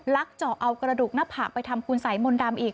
เจาะเอากระดูกหน้าผากไปทำคุณสัยมนต์ดำอีก